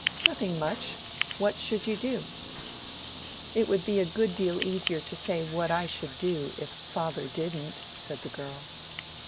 "Nothing much. What should you do?" "It would be a good deal easier to say what I should do if father didn't," said the girl.